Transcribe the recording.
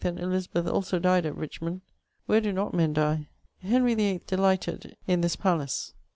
and EUizabeth also died at Richmond; where do not men die ? Henry VIII. delighted in this palace.